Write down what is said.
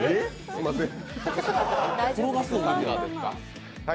すみません。